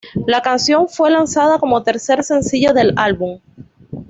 La canción fue lanzada como tercer sencillo del álbum.